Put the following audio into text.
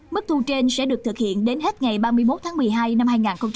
mức thu trên sẽ được thực hiện đến hết ngày ba mươi một tháng một mươi hai năm hai nghìn hai mươi